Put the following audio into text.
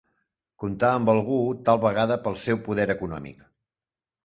Comptar amb algú, tal vegada pel seu poder econòmic.